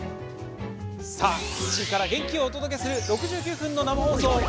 さあ、キッチンから元気をお届けする６９分の生放送。